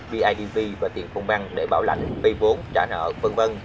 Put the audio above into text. bidv và tiền phong băng để bảo lãnh phi vốn trả nợ v v